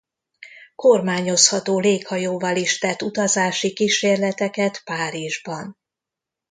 Kormányozható léghajóval is tett utazási kísérleteket Párizsban.